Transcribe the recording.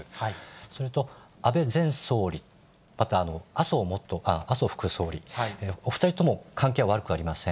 それと安倍前総理、あと麻生副総理、お２人とも関係は悪くありません。